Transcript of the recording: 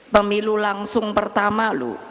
pemilu langsung pertama loh